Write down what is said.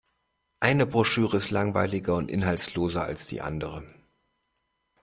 Eine Broschüre ist langweiliger und inhaltsloser als die andere.